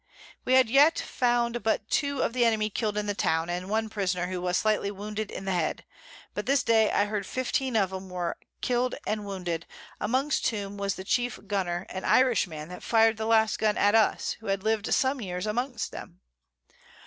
We have yet found but two of the Enemy kill'd in the Town, and one Prisoner, who was slightly wounded in the Head; but this Day I heard 15 of 'em were kill'd and wounded, amongst whom was the chief Gunner, an Irish man, that fired the last Gun at us, who had lived some Years amongst 'em.